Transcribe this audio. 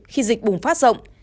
khi dịch bùng phát rộng